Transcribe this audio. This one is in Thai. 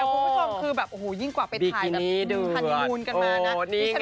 คุณผู้ผู้ชมคือแบบโอ้โหยิ่งกว่าไปไทยแบบดูดูันนี่แน่ต้อง